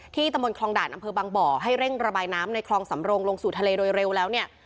ตำบลคลองด่านอำเภอบางบ่อให้เร่งระบายน้ำในคลองสำรงลงสู่ทะเลโดยเร็วแล้วเนี่ย